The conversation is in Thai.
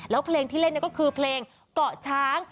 แล้วเพลงที่เล่นก็คือเพลงเกาะช้าง